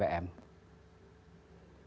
pertama apakah anggaran ini akan menyebabkan